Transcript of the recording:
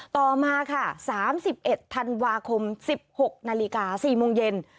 ต่อมาค่ะสามสิบเอ็ดธันวาคมสิบหกนาฬิกาสี่โมงเย็น